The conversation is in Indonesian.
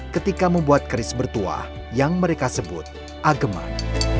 ketika membuat keris bertuah yang mereka sebut ageman